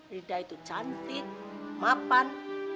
rida itu cantik mapan